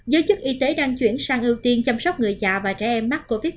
giới chức y tế đang chuyển sang ưu tiên chăm sóc người già và đàn ông